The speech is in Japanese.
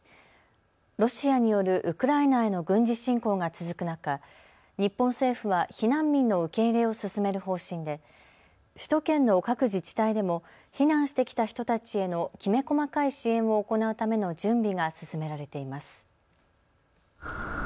ロシアによるウクライナへの軍事侵攻が続く中、日本政府は避難民の受け入れを進める方針で首都圏の各自治体でも避難してきた人たちへのきめ細かい支援を行うための準備が進められています。